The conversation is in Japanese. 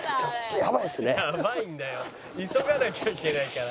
「やばいんだよ急がなきゃいけないから」